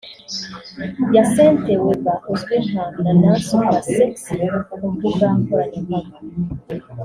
Hyacinthe Weber uzwi nka Nana Supersexy ku mbuga nkoranyambaga